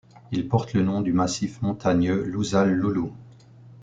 Il porte le nom du massif montagneux, l'Ouzal-Loulou.